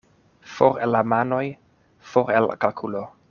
For el la manoj — for el kalkulo.